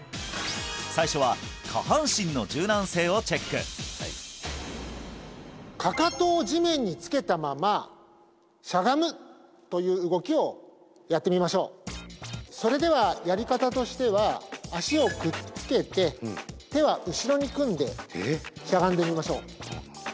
最初は下半身の柔軟性をチェックという動きをやってみましょうそれではやり方としては足をくっつけて手は後ろに組んでしゃがんでみましょう